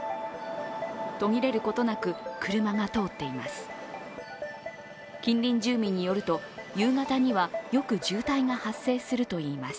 途切れることなく車が通っています。